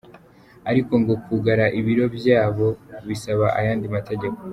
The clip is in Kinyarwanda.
Ariko ngo kwugara ibiro vyayo bisaba ayandi mategeko.